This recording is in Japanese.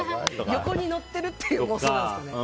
横に乗ってるっていう妄想なんですね。